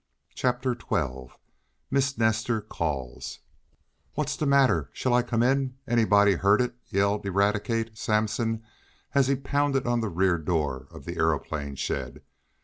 Chapter Twelve Miss Nestor Calls "What's de mattah? Shall I come in? Am anybody hurted?" yelled Eradicate Sampson as he pounded on the rear door of the aeroplane shed.